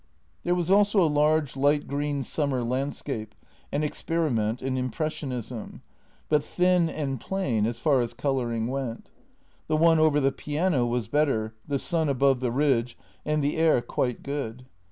There was also a large light green summer landscape — an experiment in impressionism — but thin and plain as far as colouring went. The one over the piano was better, the sun above the ridge and the air quite good.